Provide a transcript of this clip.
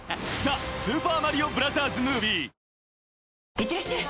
いってらっしゃい！